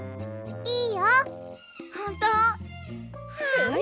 はい。